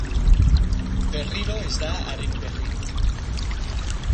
Berriro ez da haren berririk.